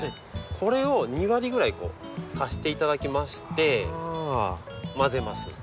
これを２割ぐらい足していただきまして混ぜます。